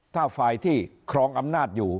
ถ้าฝ่ายที่ครองอำนาจอยู่